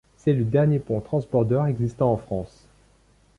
C'est le dernier pont transbordeur existant en France.